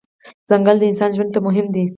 ځنګل د انسان ژوند ته مهم دی.